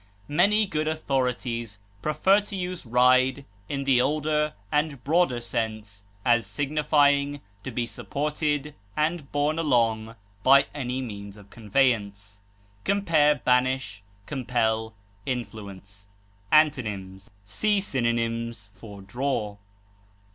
Many good authorities prefer to use ride in the older and broader sense as signifying to be supported and borne along by any means of conveyance. Compare BANISH; COMPEL; INFLUENCE. Antonyms: See synonyms for DRAW.